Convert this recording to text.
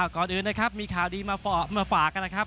ก่อนอื่นนะครับมีข่าวดีมาฝากกันนะครับ